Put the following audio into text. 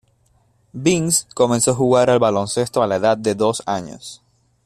Vince comenzó a jugar al baloncesto a la edad de dos años.